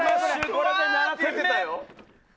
これで７点目！